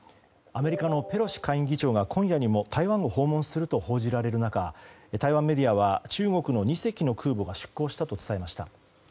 アメリカのペロシ下院議長が今夜にも台湾を訪問すると報じられる中台湾メディアは中国の２隻の空母が出航したと伝えました。